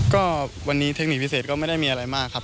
ก็วันนี้เทคนิคพิเศษก็ไม่ได้มีอะไรมากครับ